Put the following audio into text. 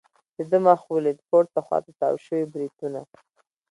د ده مخ ولید، پورته خوا ته تاو شوي بریتونه.